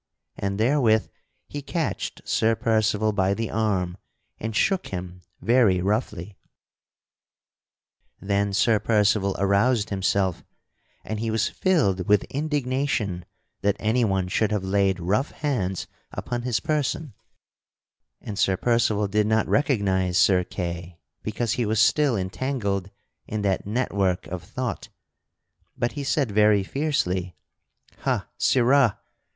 And therewith he catched Sir Percival by the arm and shook him very roughly. [Sidenote: Sir Percival smites Sir Kay a buffet] Then Sir Percival aroused himself, and he was filled with indignation that anyone should have laid rough hands upon his person. And Sir Percival did not recognize Sir Kay because he was still entangled in that network of thought, but he said very fiercely: "Ha, sirrah!